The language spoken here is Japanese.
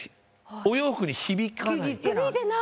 お洋服に響かない。